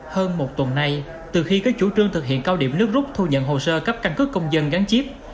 hơn một tuần nay từ khi có chủ trương thực hiện cao điểm nước rút thu nhận hồ sơ cấp căn cứ công dân gắn chip